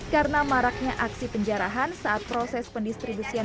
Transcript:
karena maraknya aksi penjarahan saat proses pendistribusian